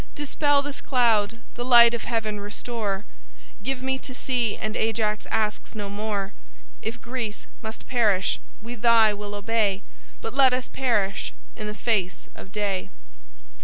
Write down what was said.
Dispel this cloud, the light of heaven restore; Give me to see and Ajax asks no more; If Greece must perish we thy will obey, But let us perish in the face of day."